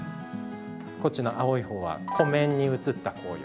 こっちの青いほうは湖面に映った紅葉。